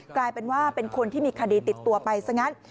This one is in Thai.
กลายเป็นว่าเป็นคนที่มีคดีติดตัวไปซะงั้น